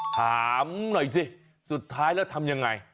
ถามหน่อยสิสุดท้ายแล้วทำยังไง